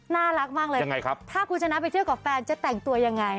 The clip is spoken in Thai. น่ารักมากเลยยังไงครับถ้าคุณชนะไปเที่ยวกับแฟนจะแต่งตัวยังไง